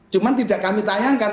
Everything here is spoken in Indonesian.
cuma tidak kami tayangkan